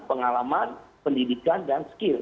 pengalaman pendidikan dan skill